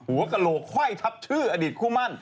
หัวกระโหลกไว้ทับชื่ออดีตคู่มั่น